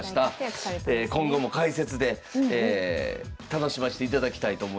今後も解説で楽しましていただきたいと思います。